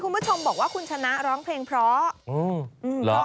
คุณผู้ชมบอกว่าคุณชนะร้องเพลงเพราะอืมเหรอ